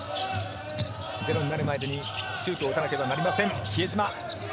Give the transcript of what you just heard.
０になるまでにシュートを打たなければなりません、比江島。